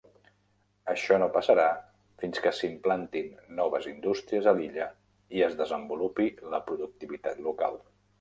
Això no passarà fins que s'implantin noves indústries a l'illa i es desenvolupi la productivitat local.